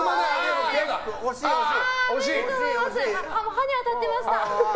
歯に当たってました。